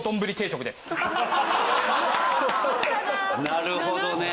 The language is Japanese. なるほどね。